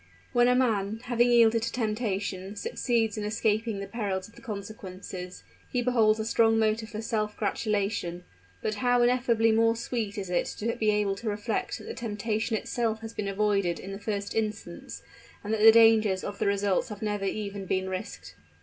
When man, having yielded to temptation, succeeds in escaping the perils of the consequences, he beholds a strong motive for self gratulation; but how ineffably more sweet is it to be able to reflect that the temptation itself has been avoided in the first instance, and that the dangers of the results have never even been risked.